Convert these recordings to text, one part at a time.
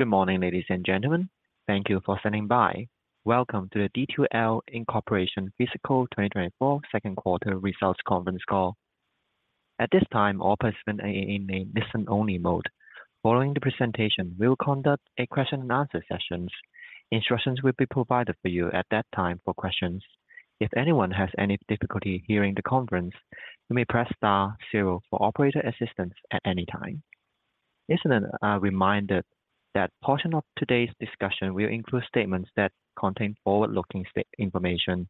Good morning, ladies and gentlemen. Thank you for standing by. Welcome to the D2L Inc. Fiscal 2024 Second Quarter Results Conference Call. At this time, all participants are in a listen-only mode. Following the presentation, we will conduct a question and answer sessions. Instructions will be provided for you at that time for questions. If anyone has any difficulty hearing the conference, you may press star zero for operator assistance at any time. Just a reminder that portion of today's discussion will include statements that contain forward-looking information.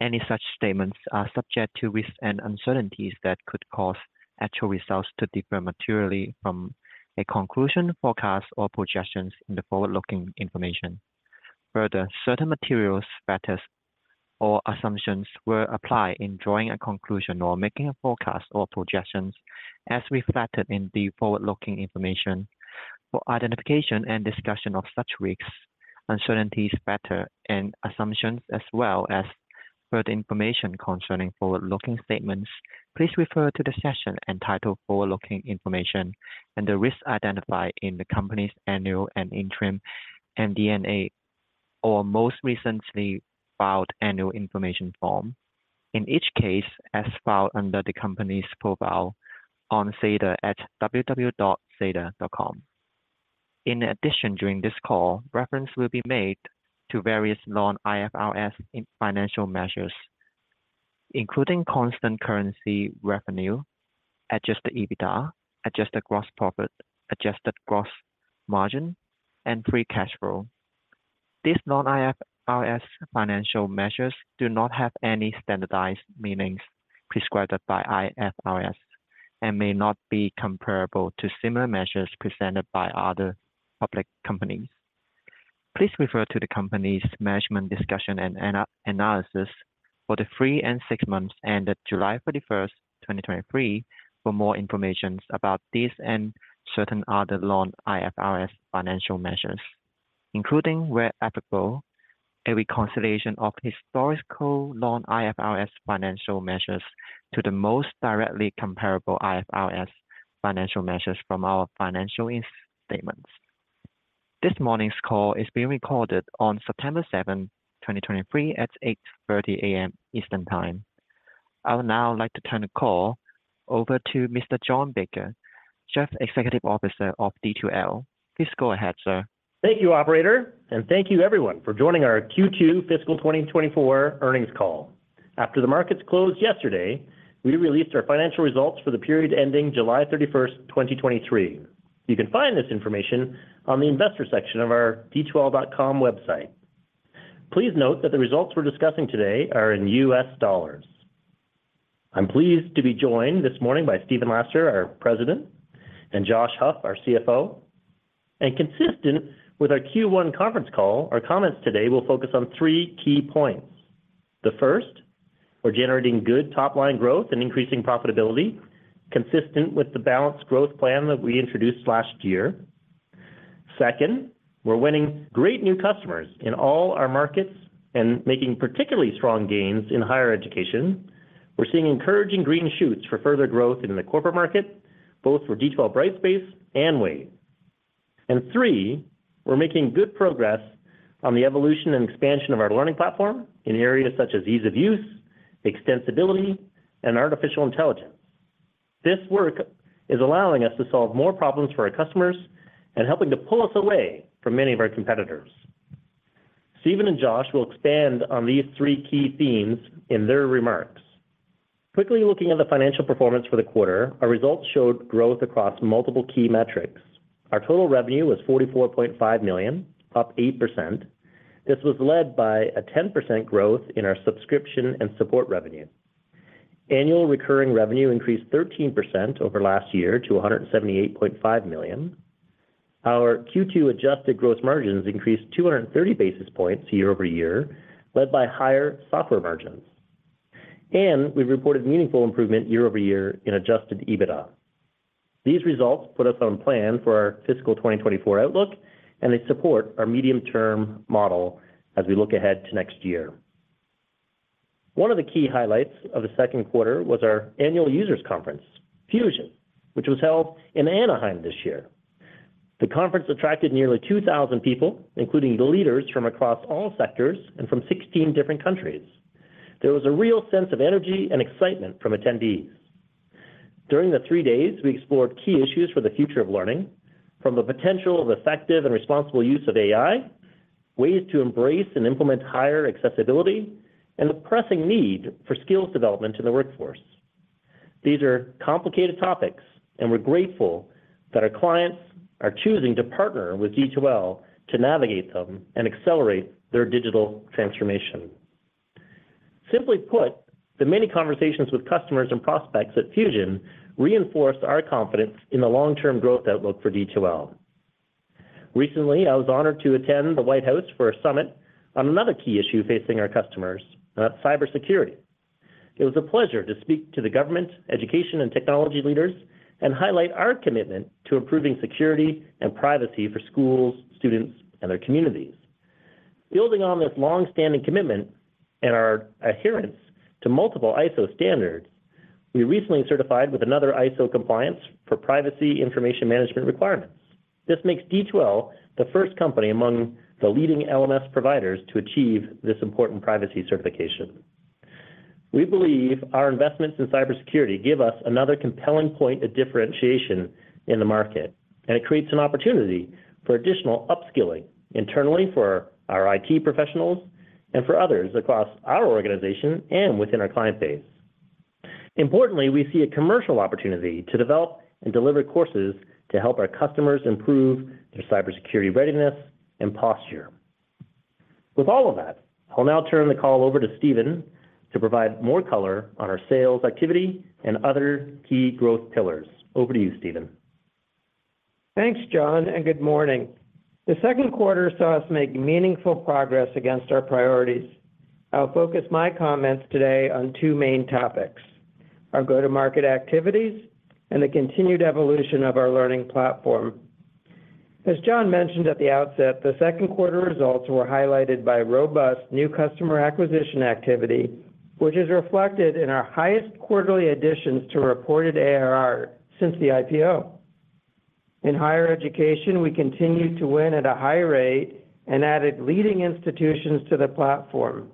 Any such statements are subject to risks and uncertainties that could cause actual results to differ materially from a conclusion, forecast, or projections in the forward-looking information. Further, certain materials, factors, or assumptions were applied in drawing a conclusion or making a forecast or projections as reflected in the forward-looking information. For identification and discussion of such risks, uncertainties, factors, and assumptions, as well as further information concerning forward-looking statements, please refer to the session entitled Forward-Looking Information and the risks identified in the company's annual and interim MD&A, or most recently filed annual information form, in each case as filed under the company's profile on SEDAR at www.sedar.com. In addition, during this call, reference will be made to various non-IFRS financial measures, including constant currency revenue, adjusted EBITDA, adjusted gross profit, adjusted gross margin, and free cash flow. These non-IFRS financial measures do not have any standardized meanings prescribed by IFRS and may not be comparable to similar measures presented by other public companies. Please refer to the company's management discussion and analysis for the three and six months ended July 31st, 2023 for more information about these and certain other non-IFRS financial measures, including, where applicable, a reconciliation of historical non-IFRS financial measures to the most directly comparable IFRS financial measures from our financial statements. This morning's call is being recorded on September 7, 2023 at 8:30 A.M. Eastern Time. I would now like to turn the call over to Mr. John Baker, Chief Executive Officer of D2L. Please go ahead, sir. Thank you, operator, and thank you everyone for joining our Q2 fiscal 2024 earnings call. After the markets closed yesterday, we released our financial results for the period ending July 31st, 2023. You can find this information on the investor section of our d2l.com website. Please note that the results we're discussing today are in U.S. dollars. I'm pleased to be joined this morning by Stephen Laster, our President, and Josh Huff, our CFO. And consistent with our Q1 conference call, our comments today will focus on three key points. The first, we're generating good top-line growth and increasing profitability, consistent with the balanced growth plan that we introduced last year. Second, we're winning great new customers in all our markets and making particularly strong gains in higher education. We're seeing encouraging green shoots for further growth in the corporate market, both for D2L Brightspace and Wave. And three, we're making good progress on the evolution and expansion of our learning platform in areas such as ease of use, extensibility, and artificial intelligence. This work is allowing us to solve more problems for our customers and helping to pull us away from many of our competitors. Stephen and Josh will expand on these three key themes in their remarks. Quickly looking at the financial performance for the quarter, our results showed growth across multiple key metrics. Our total revenue was $44.5 million, up 8%. This was led by a 10% growth in our subscription and support revenue. Annual recurring revenue increased 13% over last year to $178.5 million. Our Q2 adjusted gross margins increased 230 basis points year-over-year, led by higher software margins. We've reported meaningful improvement year-over-year in Adjusted EBITDA. These results put us on plan for our fiscal 2024 outlook, and they support our medium-term model as we look ahead to next year. One of the key highlights of the second quarter was our annual users conference, Fusion, which was held in Anaheim this year. The conference attracted nearly 2,000 people, including the leaders from across all sectors and from 16 different countries. There was a real sense of energy and excitement from attendees. During the three days, we explored key issues for the future of learning, from the potential of effective and responsible use of AI, ways to embrace and implement higher accessibility, and the pressing need for skills development in the workforce. These are complicated topics, and we're grateful that our clients are choosing to partner with D2L to navigate them and accelerate their digital transformation. Simply put, the many conversations with customers and prospects at Fusion reinforced our confidence in the long-term growth outlook for D2L. Recently, I was honored to attend the White House for a summit on another key issue facing our customers, cybersecurity. It was a pleasure to speak to the government, education, and technology leaders and highlight our commitment to improving security and privacy for schools, students, and their communities.... Building on this longstanding commitment and our adherence to multiple ISO standards, we recently certified with another ISO compliance for privacy information management requirements. This makes D2L the first company among the leading LMS providers to achieve this important privacy certification. We believe our investments in cybersecurity give us another compelling point of differentiation in the market, and it creates an opportunity for additional upskilling internally for our IT professionals and for others across our organization and within our client base. Importantly, we see a commercial opportunity to develop and deliver courses to help our customers improve their cybersecurity readiness and posture. With all of that, I'll now turn the call over to Stephen to provide more color on our sales activity and other key growth pillars. Over to you, Stephen. Thanks, John, and good morning. The second quarter saw us make meaningful progress against our priorities. I'll focus my comments today on two main topics: our go-to-market activities and the continued evolution of our learning platform. As John mentioned at the outset, the second quarter results were highlighted by robust new customer acquisition activity, which is reflected in our highest quarterly additions to reported ARR since the IPO. In higher education, we continued to win at a high rate and added leading institutions to the platform.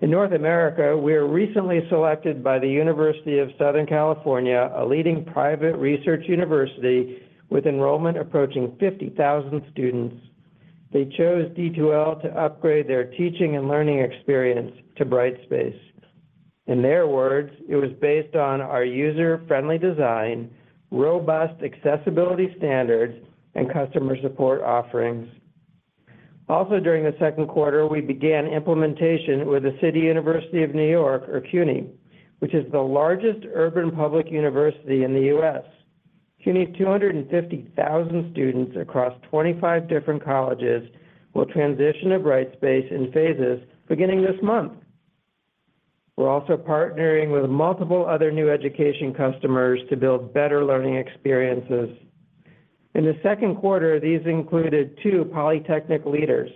In North America, we were recently selected by the University of Southern California, a leading private research university with enrollment approaching 50,000 students. They chose D2L to upgrade their teaching and learning experience to Brightspace. In their words, it was based on our user-friendly design, robust accessibility standards, and customer support offerings. Also, during the second quarter, we began implementation with the City University of New York, or CUNY, which is the largest urban public university in the U.S. CUNY's 250,000 students across 25 different colleges will transition to Brightspace in phases beginning this month. We're also partnering with multiple other new education customers to build better learning experiences. In the second quarter, these included two polytechnic leaders: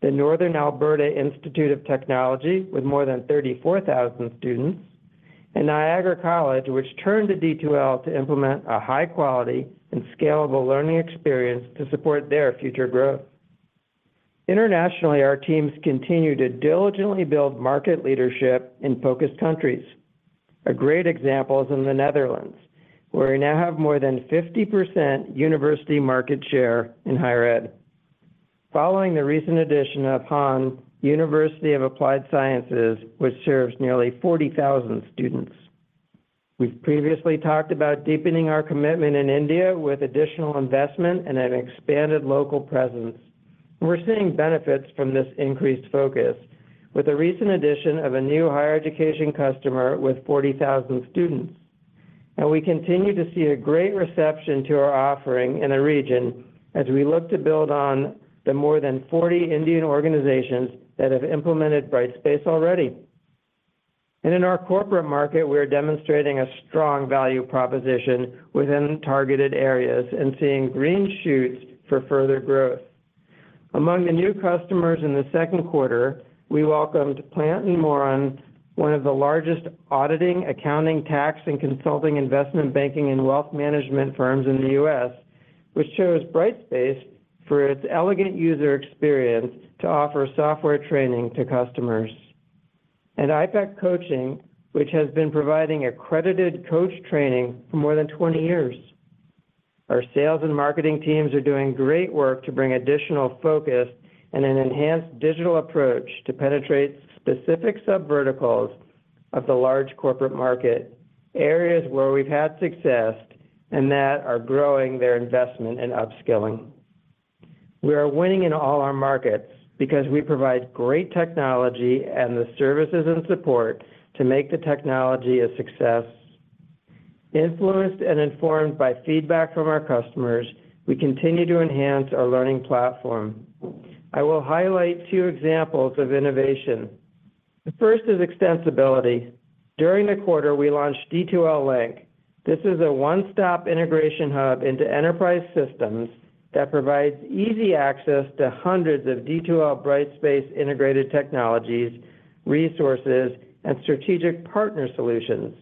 the Northern Alberta Institute of Technology, with more than 34,000 students, and Niagara College, which turned to D2L to implement a high-quality and scalable learning experience to support their future growth. Internationally, our teams continue to diligently build market leadership in focused countries. A great example is in the Netherlands, where we now have more than 50% university market share in higher ed. Following the recent addition of HAN University of Applied Sciences, which serves nearly 40,000 students. We've previously talked about deepening our commitment in India with additional investment and an expanded local presence. We're seeing benefits from this increased focus with the recent addition of a new higher education customer with 40,000 students. We continue to see a great reception to our offering in the region as we look to build on the more than 40 Indian organizations that have implemented Brightspace already. In our corporate market, we are demonstrating a strong value proposition within targeted areas and seeing green shoots for further growth. Among the new customers in the second quarter, we welcomed Plante Moran, one of the largest auditing, accounting, tax, and consulting, investment banking, and wealth management firms in the U.S., which chose Brightspace for its elegant user experience to offer software training to customers. iPEC Coaching, which has been providing accredited coach training for more than 20 years. Our sales and marketing teams are doing great work to bring additional focus and an enhanced digital approach to penetrate specific subverticals of the large corporate market, areas where we've had success and that are growing their investment in upskilling. We are winning in all our markets because we provide great technology and the services and support to make the technology a success. Influenced and informed by feedback from our customers, we continue to enhance our learning platform. I will highlight two examples of innovation. The first is extensibility. During the quarter, we launched D2L Link. This is a one-stop integration hub into enterprise systems that provides easy access to hundreds of D2L Brightspace integrated technologies, resources, and strategic partner solutions.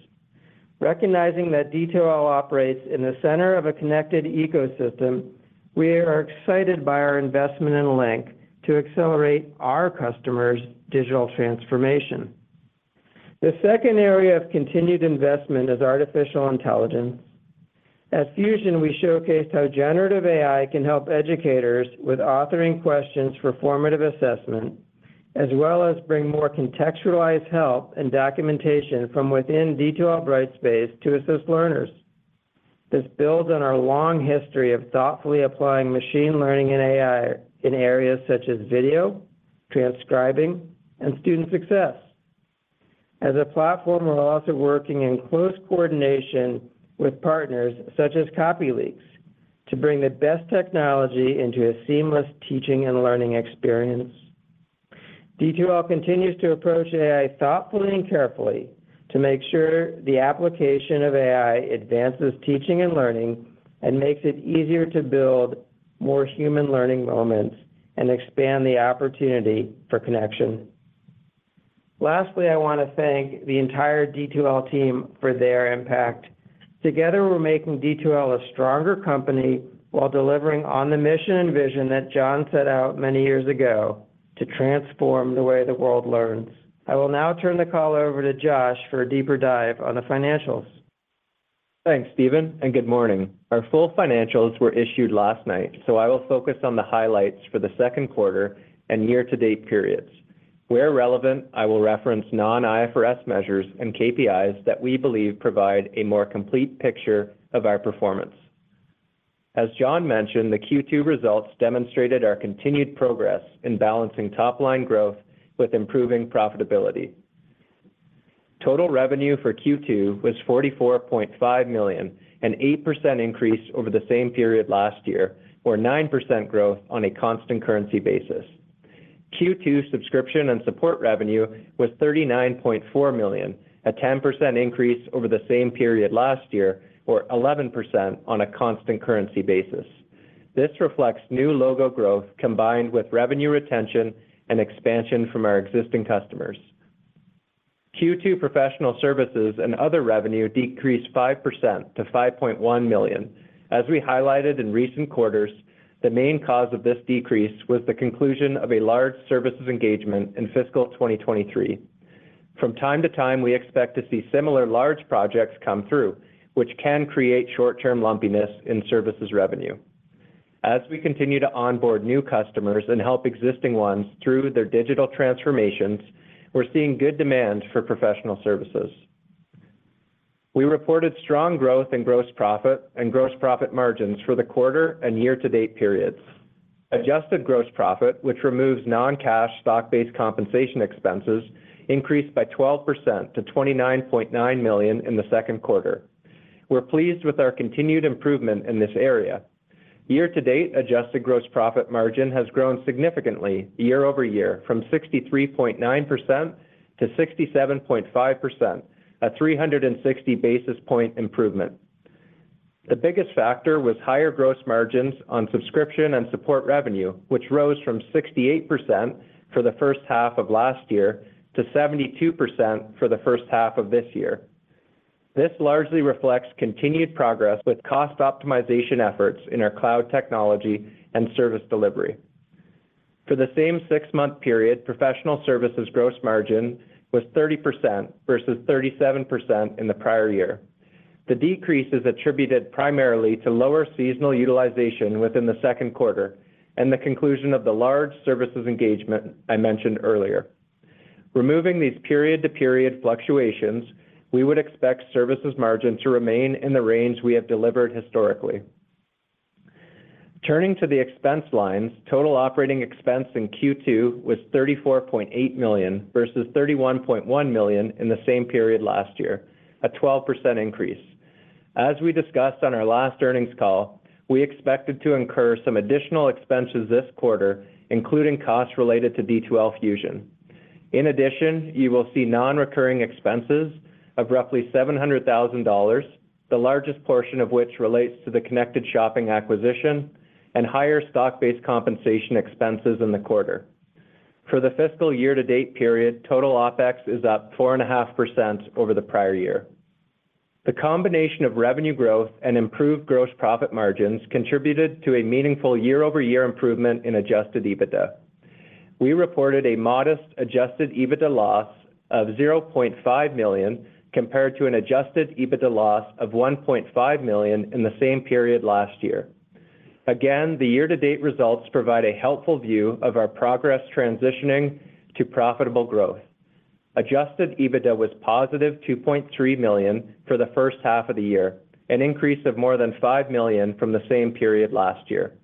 Recognizing that D2L operates in the center of a connected ecosystem, we are excited by our investment in Link to accelerate our customers' digital transformation. The second area of continued investment is artificial intelligence. At Fusion, we showcased how generative AI can help educators with authoring questions for formative assessment, as well as bring more contextualized help and documentation from within D2L Brightspace to assist learners. This builds on our long history of thoughtfully applying machine learning and AI in areas such as video, transcribing, and student success. As a platform, we're also working in close coordination with partners such as Copyleaks to bring the best technology into a seamless teaching and learning experience. D2L continues to approach AI thoughtfully and carefully to make sure the application of AI advances teaching and learning, and makes it easier to build more human learning moments and expand the opportunity for connection. Lastly, I want to thank the entire D2L team for their impact. Together, we're making D2L a stronger company while delivering on the mission and vision that John set out many years ago to transform the way the world learns. I will now turn the call over to Josh for a deeper dive on the financials. Thanks, Stephen, and good morning. Our full financials were issued last night, so I will focus on the highlights for the second quarter and year-to-date periods. Where relevant, I will reference non-IFRS measures and KPIs that we believe provide a more complete picture of our performance. As John mentioned, the Q2 results demonstrated our continued progress in balancing top-line growth with improving profitability. Total revenue for Q2 was $44.5 million, an 8% increase over the same period last year, or 9% growth on a constant currency basis. Q2 subscription and support revenue was $39.4 million, a 10% increase over the same period last year, or 11% on a constant currency basis. This reflects new logo growth, combined with revenue retention and expansion from our existing customers. Q2 professional services and other revenue decreased 5% to $5.1 million. As we highlighted in recent quarters, the main cause of this decrease was the conclusion of a large services engagement in fiscal 2023. From time to time, we expect to see similar large projects come through, which can create short-term lumpiness in services revenue. As we continue to onboard new customers and help existing ones through their digital transformations, we're seeing good demand for professional services. We reported strong growth in gross profit and gross profit margins for the quarter and year-to-date periods. Adjusted gross profit, which removes non-cash stock-based compensation expenses, increased by 12% to $29.9 million in the second quarter. We're pleased with our continued improvement in this area. Year to date, adjusted gross profit margin has grown significantly year-over-year from 63.9% to 67.5%, a 360 basis point improvement. The biggest factor was higher gross margins on subscription and support revenue, which rose from 68% for the first half of last year to 72% for the first half of this year. This largely reflects continued progress with cost optimization efforts in our cloud technology and service delivery. For the same six-month period, Professional Services gross margin was 30% versus 37% in the prior year. The decrease is attributed primarily to lower seasonal utilization within the second quarter and the conclusion of the large services engagement I mentioned earlier. Removing these period-to-period fluctuations, we would expect services margin to remain in the range we have delivered historically. Turning to the expense lines, total operating expense in Q2 was $34.8 million versus $31.1 million in the same period last year, a 12% increase. As we discussed on our last earnings call, we expected to incur some additional expenses this quarter, including costs related to D2L Fusion. In addition, you will see non-recurring expenses of roughly $700,000, the largest portion of which relates to the Connected Shopping acquisition and higher stock-based compensation expenses in the quarter. For the fiscal year-to-date period, total OpEx is up 4.5% over the prior year. The combination of revenue growth and improved gross profit margins contributed to a meaningful year-over-year improvement in adjusted EBITDA. We reported a modest adjusted EBITDA loss of $0.5 million, compared to an adjusted EBITDA loss of $1.5 million in the same period last year. Again, the year-to-date results provide a helpful view of our progress transitioning to profitable growth. Adjusted EBITDA was positive $2.3 million for the first half of the year, an increase of more than $5 million from the same period last year.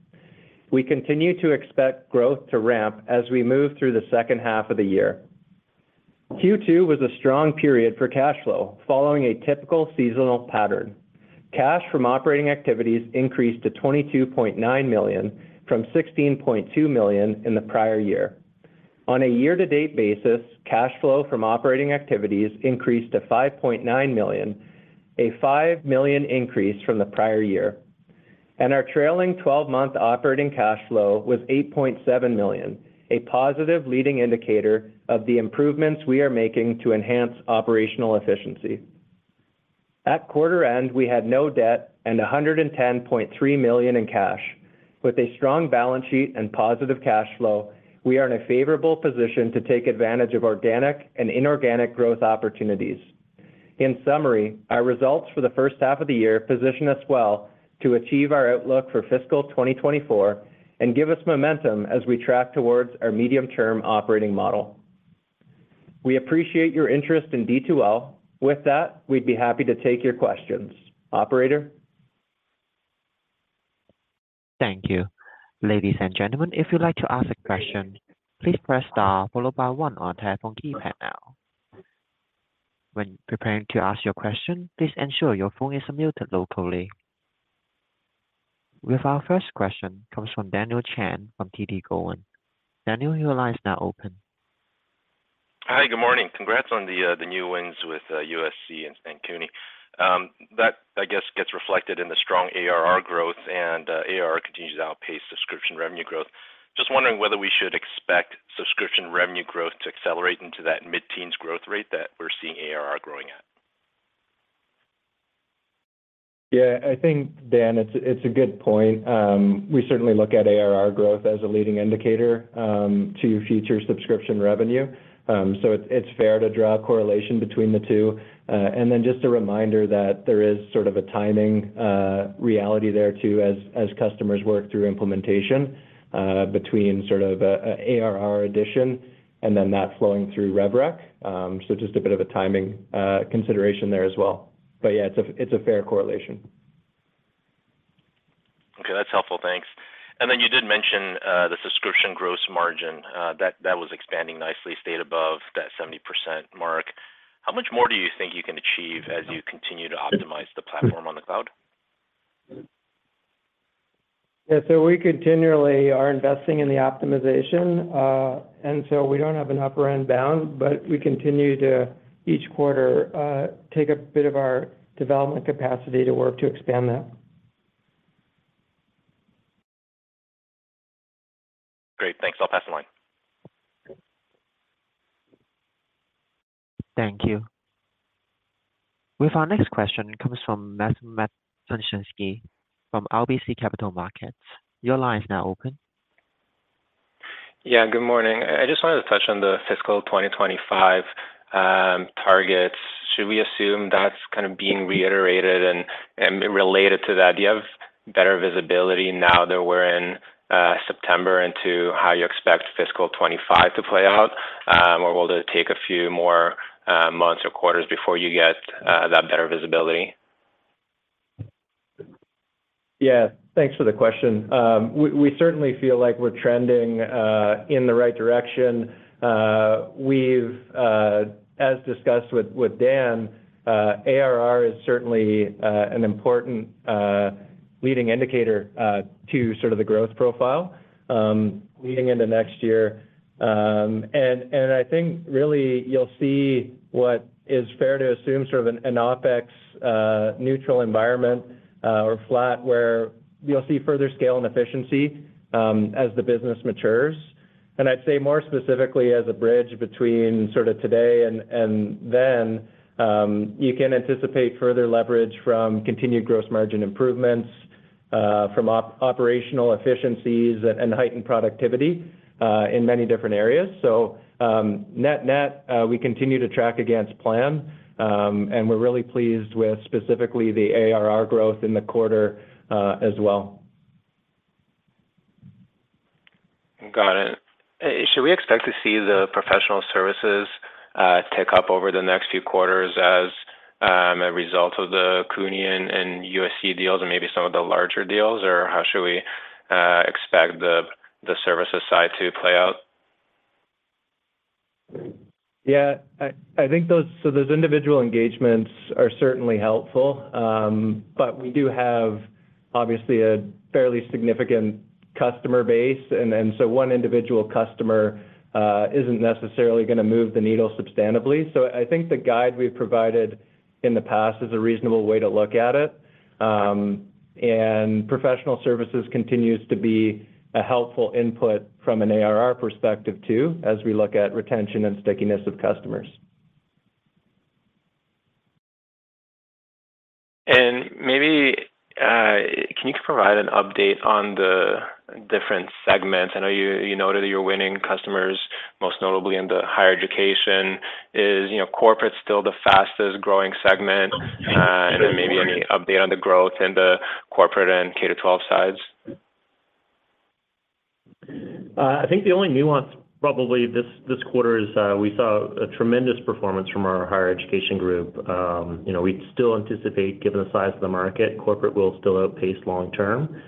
We continue to expect growth to ramp as we move through the second half of the year. Q2 was a strong period for cash flow, following a typical seasonal pattern. Cash from operating activities increased to $22.9 million from $16.2 million in the prior year. On a year-to-date basis, cash flow from operating activities increased to $5.9 million, a $5 million increase from the prior year. Our trailing twelve-month operating cash flow was $8.7 million, a positive leading indicator of the improvements we are making to enhance operational efficiency. At quarter end, we had no debt and $110.3 million in cash. With a strong balance sheet and positive cash flow, we are in a favorable position to take advantage of organic and inorganic growth opportunities. In summary, our results for the first half of the year position us well to achieve our outlook for fiscal 2024 and give us momentum as we track towards our medium-term operating model. We appreciate your interest in D2L. With that, we'd be happy to take your questions. Operator? Thank you. Ladies and gentlemen, if you'd like to ask a question, please press star followed by one on your telephone keypad now. When preparing to ask your question, please ensure your phone is unmuted locally. With our first question comes from Daniel Chan from TD Cowen. Daniel, your line is now open. Hi, good morning. Congrats on the new wins with USC and CUNY. That, I guess, gets reflected in the strong ARR growth, and ARR continues to outpace subscription revenue growth. Just wondering whether we should expect subscription revenue growth to accelerate into that mid-teens growth rate that we're seeing ARR growing at? Yeah, I think, Dan, it's a good point. We certainly look at ARR growth as a leading indicator to future subscription revenue. So it's fair to draw a correlation between the two. And then just a reminder that there is sort of a timing reality there, too, as customers work through implementation, between sort of a ARR addition and then that flowing through rev rec. So just a bit of a timing consideration there as well. But yeah, it's a fair correlation. Okay, that's helpful. Thanks. And then you did mention, the subscription gross margin, that, that was expanding nicely, stayed above that 70% mark. How much more do you think you can achieve as you continue to optimize the platform on the cloud? Yeah, so we continually are investing in the optimization, and so we don't have an upper end bound, but we continue to, each quarter, take a bit of our development capacity to work to expand that. Great. Thanks. I'll pass the line. Thank you. With our next question comes from Paul Treiber from RBC Capital Markets. Your line is now open. Yeah, good morning. I just wanted to touch on the fiscal 2025 targets. Should we assume that's kind of being reiterated? And related to that, do you have better visibility now that we're in September into how you expect fiscal 2025 to play out? Or will it take a few more months or quarters before you get that better visibility? Yeah, thanks for the question. We certainly feel like we're trending in the right direction. We've, as discussed with Dan, ARR is certainly an important leading indicator to sort of the growth profile leading into next year. And I think really you'll see what is fair to assume, sort of an OpEx neutral environment or flat, where you'll see further scale and efficiency as the business matures. And I'd say more specifically, as a bridge between sort of today and then, you can anticipate further leverage from continued gross margin improvements from operational efficiencies and heightened productivity in many different areas. So, net net, we continue to track against plan, and we're really pleased with specifically the ARR growth in the quarter, as well. Got it. Should we expect to see the Professional Services tick up over the next few quarters as a result of the CUNY and USC deals and maybe some of the larger deals? Or how should we expect the services side to play out? Yeah, I think those individual engagements are certainly helpful. But we do have obviously a fairly significant customer base, and so one individual customer isn't necessarily gonna move the needle substantively. So I think the guide we've provided in the past is a reasonable way to look at it. And Professional Services continues to be a helpful input from an ARR perspective, too, as we look at retention and stickiness of customers. Maybe, can you provide an update on the different segments? I know you, you noted that you're winning customers, most notably in the higher education. Is, you know, corporate still the fastest-growing segment? And then maybe any update on the growth in the corporate and K-12 sides. I think the only nuance, probably this quarter is, we saw a tremendous performance from our higher education group. You know, we still anticipate, given the size of the market, corporate will still outpace long term.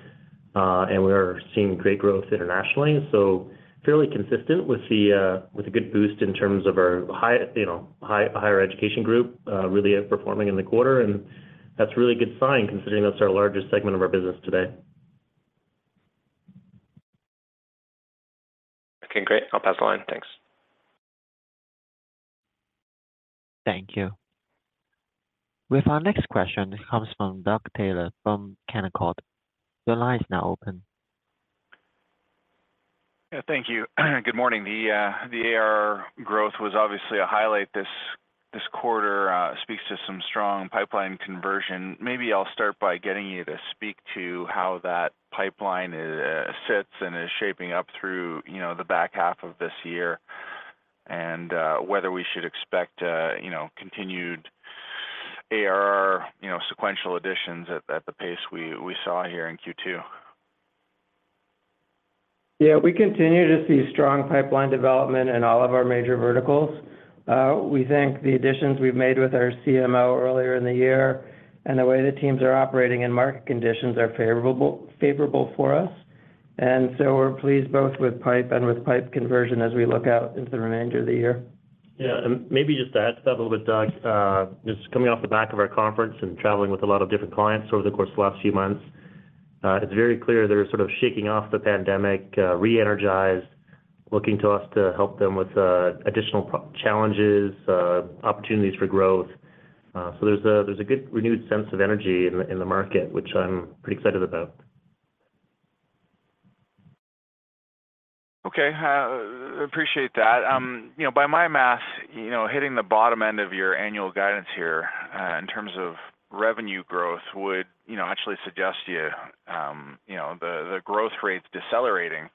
And we are seeing great growth internationally. So fairly consistent with a good boost in terms of our higher education group really outperforming in the quarter, and that's a really good sign, considering that's our largest segment of our business today. Okay, great. I'll pass the line. Thanks. Thank you. With our next question comes from Doug Taylor from Canaccord. Your line is now open. Yeah, thank you. Good morning. The ARR growth was obviously a highlight this quarter, speaks to some strong pipeline conversion. Maybe I'll start by getting you to speak to how that pipeline sits and is shaping up through, you know, the back half of this year, and whether we should expect, you know, continued ARR sequential additions at the pace we saw here in Q2. Yeah, we continue to see strong pipeline development in all of our major verticals. We think the additions we've made with our CMO earlier in the year and the way the teams are operating, and market conditions are favorable, favorable for us. And so we're pleased both with pipeline and with pipeline conversion as we look out into the remainder of the year. Yeah, and maybe just to add to that a little bit, Doug, just coming off the back of our conference and traveling with a lot of different clients over the course of the last few months, it's very clear they're sort of shaking off the pandemic, re-energized, looking to us to help them with additional challenges, opportunities for growth. So there's a good renewed sense of energy in the market, which I'm pretty excited about. Okay. Appreciate that. You know, by my math, you know, hitting the bottom end of your annual guidance here, in terms of revenue growth would, you know, actually suggest to you, you know, the, the growth rate's decelerating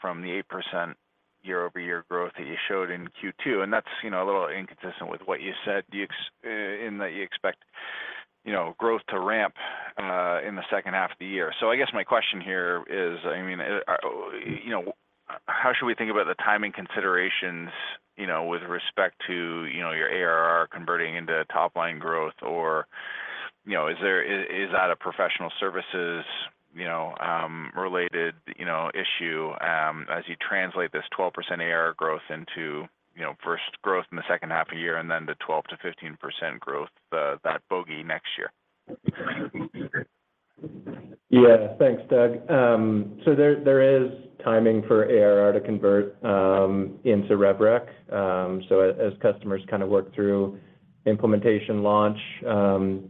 from the 8% year-over-year growth that you showed in Q2, and that's, you know, a little inconsistent with what you said you ex-- in that you expect, you know, growth to ramp, in the second half of the year. So I guess my question here is, I mean, you know, how should we think about the timing considerations, you know, with respect to, you know, your ARR converting into top-line growth? Or, you know, is there a professional services, you know, related, you know, issue, as you translate this 12% ARR growth into, you know, first, growth in the second half of the year, and then the 12%-15% growth, that bogey next year? Yeah. Thanks, Doug. So there, there is timing for ARR to convert into rev rec, so as, as customers kind of work through implementation, launch,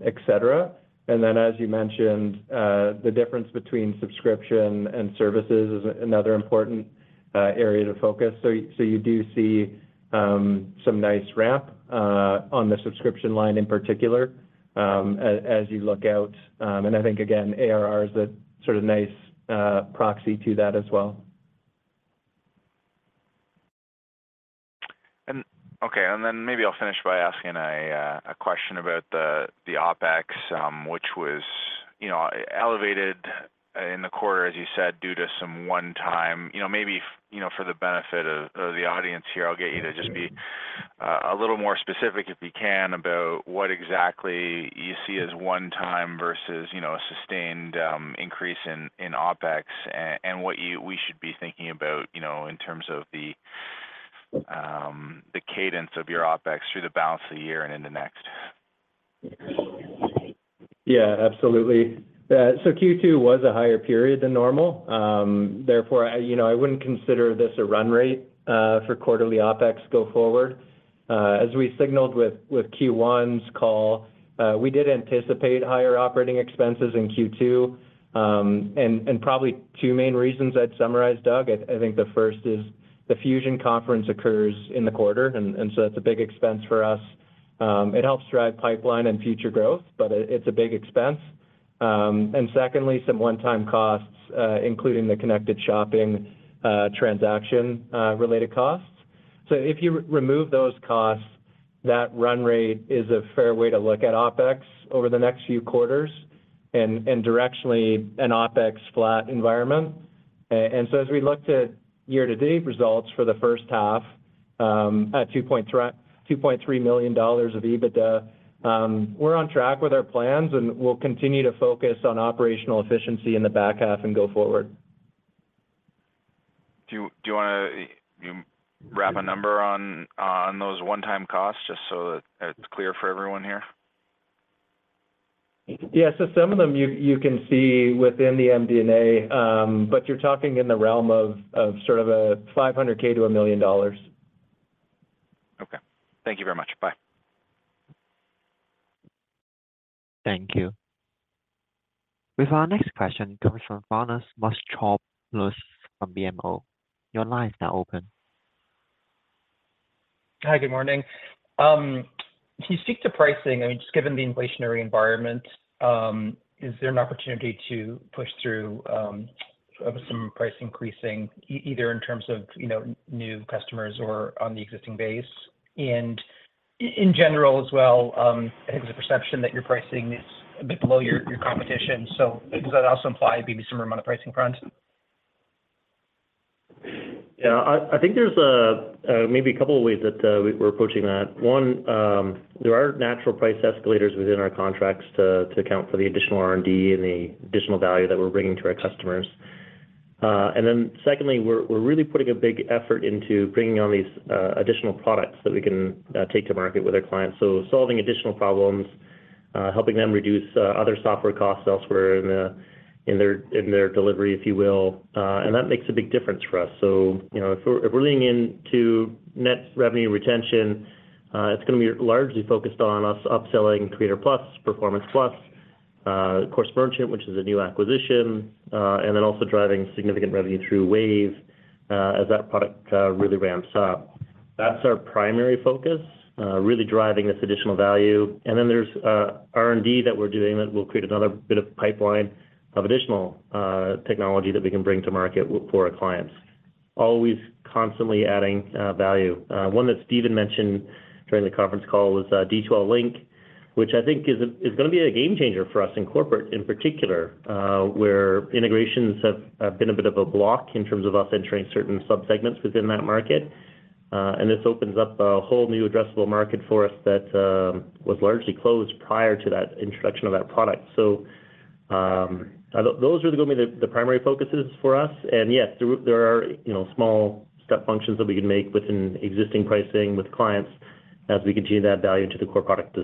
etc.. And then, as you mentioned, the difference between subscription and services is another important area to focus. So you, so you do see some nice ramp on the subscription line in particular, as, as you look out. And I think, again, ARR is a sort of nice proxy to that as well. Okay, then maybe I'll finish by asking a question about the OpEx, which was, you know, elevated in the quarter, as you said, due to some one-time... You know, maybe, for the benefit of the audience here, I'll get you to just be a little more specific, if you can, about what exactly you see as one-time versus, you know, a sustained increase in OpEx, and what we should be thinking about, you know, in terms of the cadence of your OpEx through the balance of the year and into next. Yeah, absolutely. So Q2 was a higher period than normal. Therefore, I, you know, I wouldn't consider this a run rate for quarterly OpEx go forward. As we signaled with Q1's call, we did anticipate higher operating expenses in Q2. And probably two main reasons I'd summarize, Doug. I think the first is the Fusion conference occurs in the quarter, and so that's a big expense for us. It helps drive pipeline and future growth, but it's a big expense. And secondly, some one-time costs, including the Connected Shopping transaction related costs. So if you remove those costs, that run rate is a fair way to look at OpEx over the next few quarters and directionally, an OpEx flat environment. As we look to year-to-date results for the first half at $2.3 million of EBITDA, we're on track with our plans and we'll continue to focus on operational efficiency in the back half and go forward. Do you wanna wrap a number on those one-time costs just so that it's clear for everyone here? Yeah. So some of them you can see within the MD&A, but you're talking in the realm of sort of $500,000-$1 million. Okay. Thank you very much. Bye. Thank you. With our next question comes from Thanos Moschopoulos from BMO. Your line is now open. Hi, good morning. You speak to pricing, I mean, just given the inflationary environment, is there an opportunity to push through of some price increasing, either in terms of, you know, new customers or on the existing base? And in general as well, I think the perception that your pricing is a bit below your competition. So does that also imply maybe some amount of pricing upside? Yeah, I think there's maybe a couple of ways that we're approaching that. One, there are natural price escalators within our contracts to account for the additional R&D and the additional value that we're bringing to our customers. And then secondly, we're really putting a big effort into bringing on these additional products that we can take to market with our clients. So solving additional problems, helping them reduce other software costs elsewhere in their delivery, if you will. And that makes a big difference for us. So, you know, if we're leaning into net revenue retention, it's gonna be largely focused on us upselling Creator+, Performance+, Course Merchant, which is a new acquisition, and then also driving significant revenue through Wave, as that product really ramps up. That's our primary focus, really driving this additional value. And then there's R&D that we're doing that will create another bit of pipeline of additional technology that we can bring to market for our clients. Always constantly adding value. One that Stephen mentioned during the conference call was D2L Link, which I think is gonna be a game changer for us in corporate, in particular, where integrations have been a bit of a block in terms of us entering certain subsegments within that market. and this opens up a whole new addressable market for us that was largely closed prior to that introduction of that product. So, those are gonna be the primary focuses for us. And yes, there are, you know, small step functions that we can make within existing pricing with clients as we continue to add value to the core product.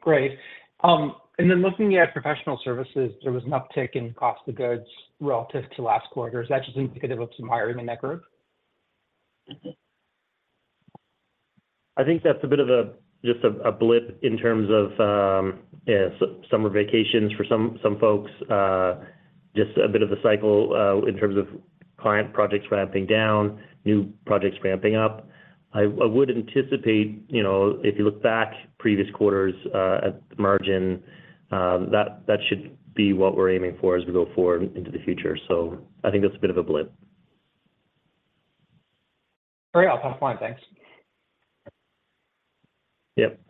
Great. And then looking at Professional Services, there was an uptick in cost of goods relative to last quarter. Is that just indicative of some hiring in that group? I think that's a bit of a blip in terms of summer vacations for some folks, just a bit of a cycle in terms of client projects ramping down, new projects ramping up. I would anticipate, you know, if you look back previous quarters at the margin, that should be what we're aiming for as we go forward into the future. So I think that's a bit of a blip. Great. That's fine. Thanks. Yep.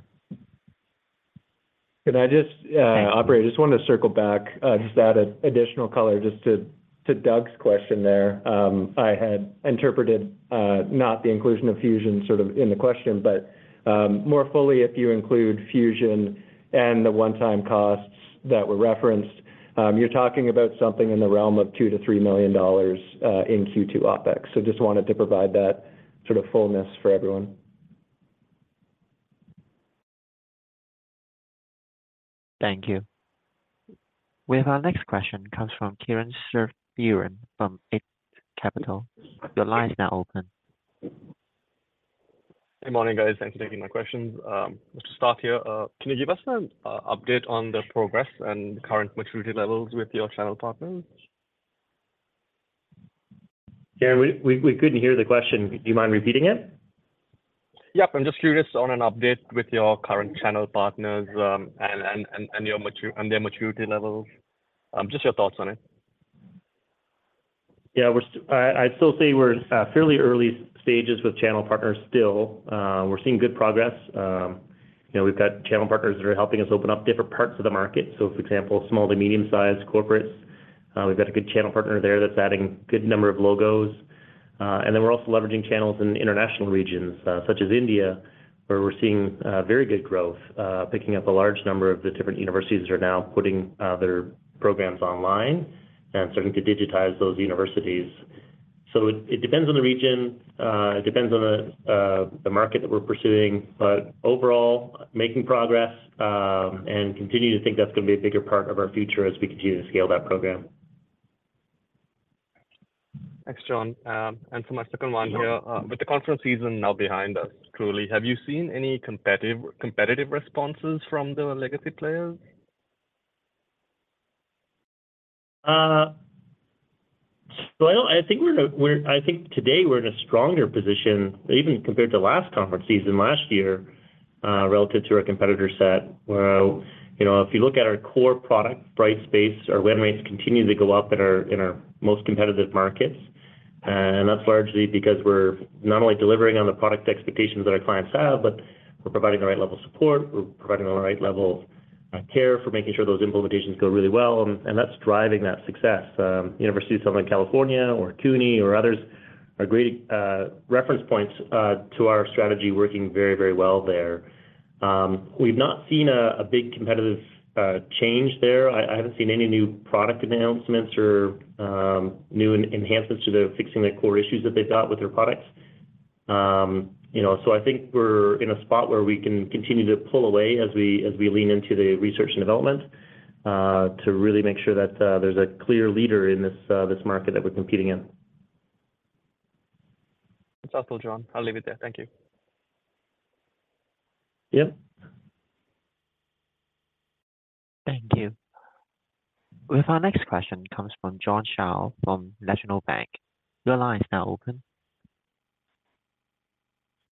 Can I just, Thank you. Operator, I just wanted to circle back, just to add an additional color, just to Doug's question there. I had interpreted, not the inclusion of Fusion sort of in the question, but, more fully, if you include Fusion and the one-time costs that were referenced, you're talking about something in the realm of $2 million-$3 million in Q2 OpEx. So just wanted to provide that sort of fullness for everyone. Thank you. We have our next question comes from Christian Sgro from Eight Capital. Your line is now open. Good morning, guys. Thanks for taking my questions. Just to start here, can you give us an update on the progress and current maturity levels with your channel partners? Christian, we couldn't hear the question. Do you mind repeating it? Yep. I'm just curious on an update with your current channel partners and their maturity levels. Just your thoughts on it. Yeah, we're still. I, I'd still say we're fairly early stages with channel partners still. We're seeing good progress. You know, we've got channel partners that are helping us open up different parts of the market. So for example, small to medium-sized corporates, we've got a good channel partner there that's adding good number of logos. And then we're also leveraging channels in international regions, such as India, where we're seeing very good growth, picking up a large number of the different universities that are now putting their programs online and starting to digitize those universities. So it depends on the region, it depends on the market that we're pursuing, but overall, making progress, and continue to think that's gonna be a bigger part of our future as we continue to scale that program. Thanks, John. For my second one here, with the conference season now behind us, truly, have you seen any competitive responses from the legacy players? So, I think today we're in a stronger position, even compared to last conference season last year, relative to our competitor set, where, you know, if you look at our core product, Brightspace, our win rates continue to go up in our most competitive markets. And that's largely because we're not only delivering on the product expectations that our clients have, but we're providing the right level of support, we're providing the right level of care for making sure those implementations go really well, and that's driving that success. University of Southern California, or CUNY, or others, are great reference points to our strategy working very, very well there. We've not seen a big competitive change there. I haven't seen any new product announcements or new enhancements to fixing the core issues that they've got with their products. You know, so I think we're in a spot where we can continue to pull away as we lean into the research and development to really make sure that there's a clear leader in this market that we're competing in. That's helpful, John. I'll leave it there. Thank you. Yep. Thank you. We have our next question comes from John Shao from National Bank Financial. Your line is now open.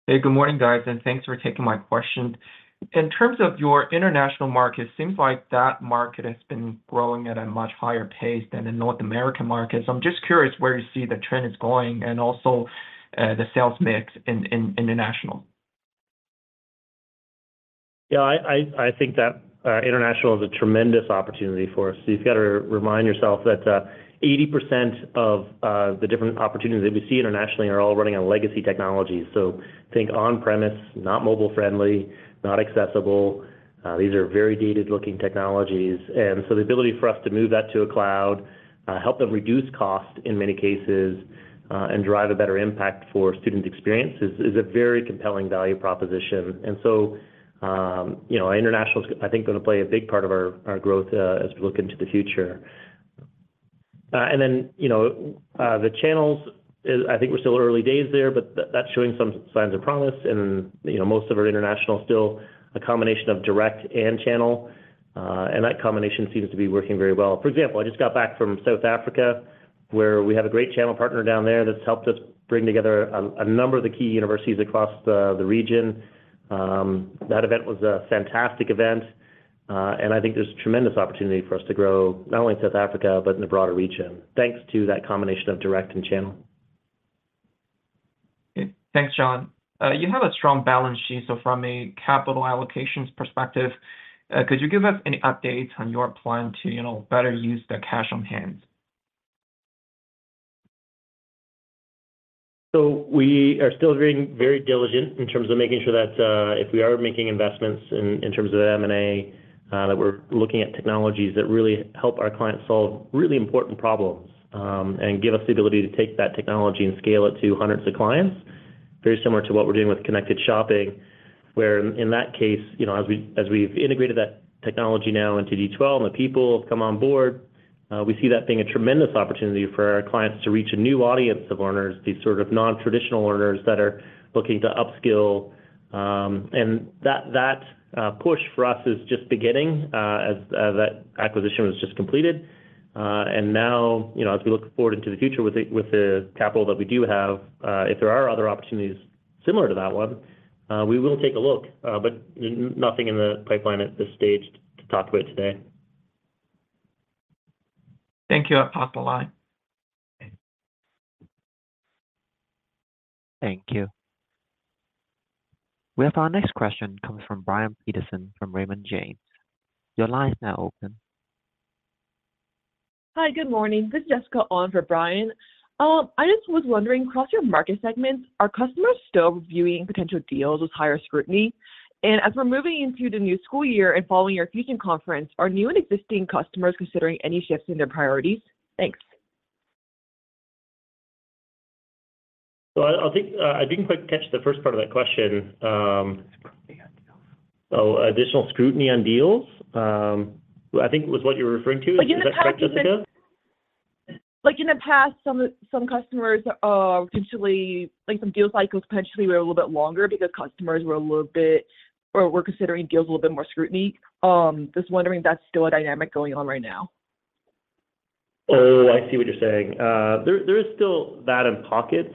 Hey, good morning, guys, and thanks for taking my question. In terms of your international market, seems like that market has been growing at a much higher pace than the North American market. So I'm just curious where you see the trend is going and also, the sales mix in international. Yeah, I think that international is a tremendous opportunity for us. So you've got to remind yourself that 80% of the different opportunities that we see internationally are all running on legacy technologies. So think on-premise, not mobile-friendly, not accessible. These are very dated-looking technologies. And so the ability for us to move that to a cloud, help them reduce cost in many cases, and drive a better impact for student experience is a very compelling value proposition. And so, you know, international is, I think, gonna play a big part of our growth as we look into the future. And then, you know, the channels is. I think we're still early days there, but that's showing some signs of promise. You know, most of our international is still a combination of direct and channel, and that combination seems to be working very well. For example, I just got back from South Africa, where we have a great channel partner down there that's helped us bring together a number of the key universities across the region. That event was a fantastic event, and I think there's tremendous opportunity for us to grow, not only in South Africa, but in the broader region, thanks to that combination of direct and channel. Thanks, John. You have a strong balance sheet, so from a capital allocations perspective, could you give us any updates on your plan to, you know, better use the cash on hand? We are still very, very diligent in terms of making sure that if we are making investments in terms of M&A, that we're looking at technologies that really help our clients solve really important problems, and give us the ability to take that technology and scale it to hundreds of clients. Very similar to what we're doing with Connected Shopping, where in that case, you know, as we've integrated that technology now into D2L, and the people have come on board, we see that being a tremendous opportunity for our clients to reach a new audience of learners, these sort of non-traditional learners that are looking to upskill. And that push for us is just beginning, as that acquisition was just completed. And now, you know, as we look forward into the future with the capital that we do have, if there are other opportunities similar to that one, we will take a look, but nothing in the pipeline at this stage to talk about today. Thank you. I'll pass the line. Thank you. We have our next question coming from Brian Peterson from Raymond James. Your line is now open. Hi, good morning. This is Jessica on for Brian. I just was wondering, across your market segments, are customers still reviewing potential deals with higher scrutiny? And as we're moving into the new school year and following your Fusion conference, are new and existing customers considering any shifts in their priorities? Thanks. So, I think I didn't quite catch the first part of that question. Scrutiny on deals. Oh, additional scrutiny on deals, I think was what you were referring to? But, you know, like in the past, some customers, potentially, like some deal cycles potentially were a little bit longer because customers were a little bit, or were considering deals a little bit more scrutiny. Just wondering if that's still a dynamic going on right now? Oh, I see what you're saying. There is still that in pockets,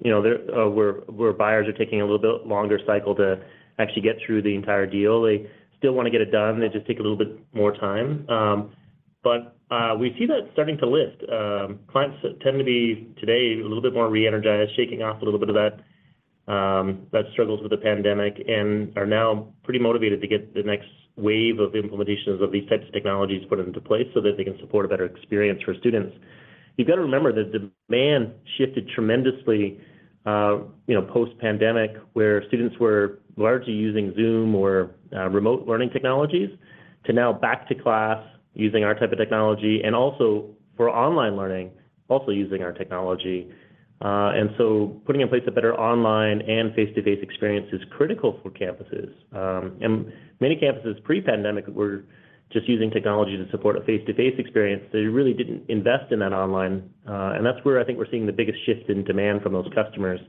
you know, where buyers are taking a little bit longer cycle to actually get through the entire deal. They still want to get it done, they just take a little bit more time. We see that starting to lift. Clients tend to be, today, a little bit more re-energized, shaking off a little bit of that, that struggles with the pandemic, and are now pretty motivated to get the next wave of implementations of these types of technologies put into place so that they can support a better experience for students. You've got to remember, the demand shifted tremendously, you know, post-pandemic, where students were largely using Zoom or, remote learning technologies, to now back to class using our type of technology, and also for online learning, also using our technology. So putting in place a better online and face-to-face experience is critical for campuses. Many campuses pre-pandemic were just using technology to support a face-to-face experience. They really didn't invest in that online. That's where I think we're seeing the biggest shift in demand from those customers,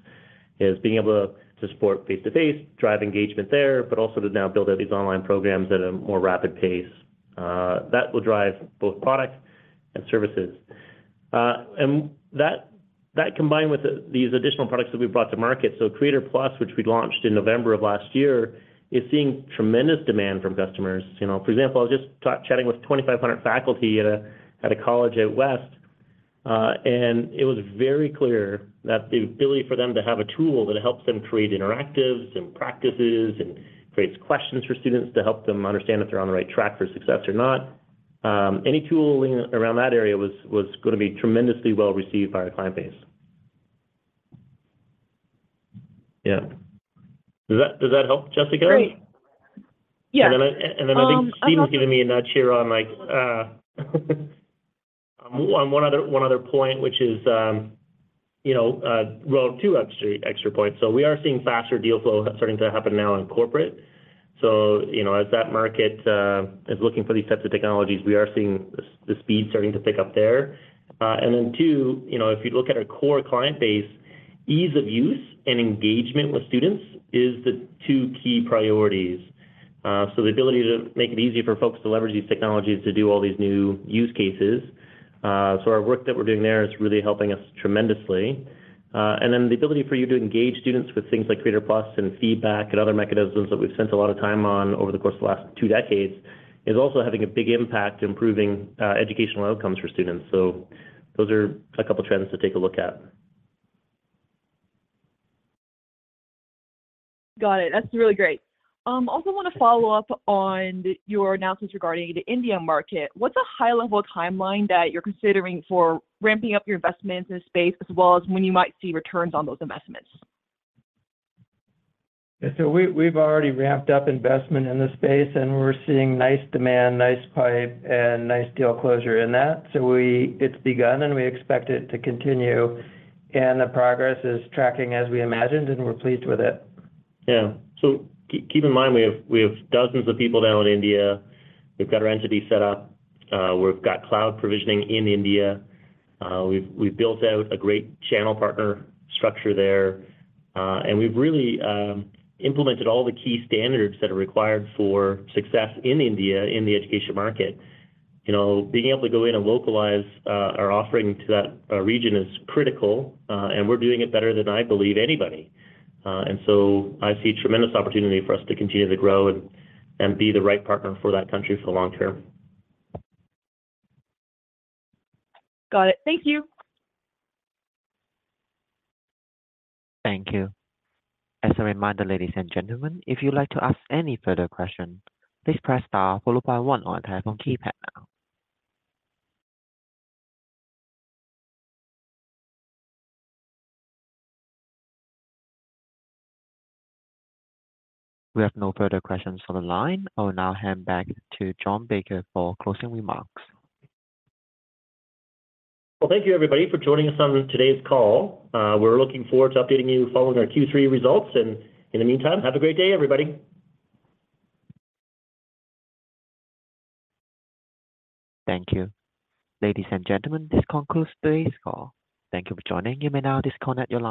is being able to support face-to-face, drive engagement there, but also to now build out these online programs at a more rapid pace. That will drive both products and services. That combined with these additional products that we've brought to market. So Creator+, which we launched in November of last year, is seeing tremendous demand from customers. You know, for example, I was just chatting with 2,500 faculty at a college out west, and it was very clear that the ability for them to have a tool that helps them create interactives and practices, and creates questions for students to help them understand if they're on the right track for success or not, any tooling around that area was gonna be tremendously well received by our client base. Yeah. Does that help, Jessica? Great. Yeah. I think Stephen's giving me a nudge here on, like, on one other point, which is, you know, well, two extra points. So we are seeing faster deal flow starting to happen now in corporate. So, you know, as that market is looking for these types of technologies, we are seeing the speed starting to pick up there. And then two, you know, if you look at our core client base, ease of use and engagement with students is the two key priorities. So the ability to make it easy for folks to leverage these technologies to do all these new use cases. So our work that we're doing there is really helping us tremendously. and then the ability for you to engage students with things like Creator+ and feedback and other mechanisms that we've spent a lot of time on over the course of the last two decades, is also having a big impact improving, educational outcomes for students. So those are a couple of trends to take a look at. Got it. That's really great. Also want to follow up on your announcements regarding the India market. What's a high-level timeline that you're considering for ramping up your investments in the space, as well as when you might see returns on those investments? Yeah, so we've already ramped up investment in this space, and we're seeing nice demand, nice pipe, and nice deal closure in that. So, it's begun, and we expect it to continue, and the progress is tracking as we imagined, and we're pleased with it. Yeah. So keep in mind, we have, we have dozens of people down in India. We've got our entity set up, we've got cloud provisioning in India, we've, we've built out a great channel partner structure there, and we've really implemented all the key standards that are required for success in India, in the education market. You know, being able to go in and localize our offering to that region is critical, and we're doing it better than I believe anybody. And so I see tremendous opportunity for us to continue to grow and be the right partner for that country for the long term. Got it. Thank you. Thank you. As a reminder, ladies and gentlemen, if you'd like to ask any further questions, please press Star followed by one on your telephone keypad now. We have no further questions on the line. I will now hand back to John Baker for closing remarks. Well, thank you, everybody, for joining us on today's call. We're looking forward to updating you following our Q3 results, and in the meantime, have a great day, everybody. Thank you. Ladies and gentlemen, this concludes today's call. Thank you for joining. You may now disconnect your lines.